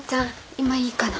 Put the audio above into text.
今いいかな。